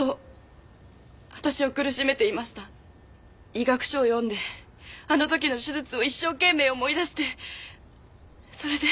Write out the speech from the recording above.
医学書を読んであの時の手術を一生懸命思い出してそれで。